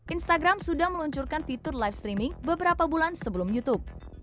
instagram sudah meluncurkan fitur live streaming beberapa bulan sebelum youtube